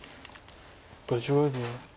５５秒。